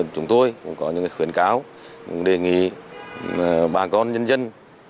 chúng tôi cũng có những khuyến cáo đề nghị bà con nhân dân